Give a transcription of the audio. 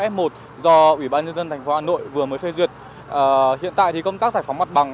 f một do ủy ban nhân dân thành phố hà nội vừa mới phê duyệt hiện tại thì công tác giải phóng mặt bằng